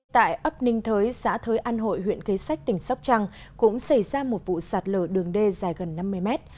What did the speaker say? tại ấp ninh thới xã thới an hội huyện kế sách tỉnh sóc trăng cũng xảy ra một vụ sạt lở đường đê dài gần năm mươi mét